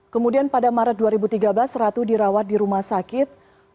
kemudian pada maret dua ribu tiga belas ratu dirawat di rumah sakit